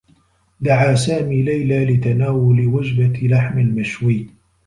دعى سامي ليلى لتناول وجبة لحم مشوي.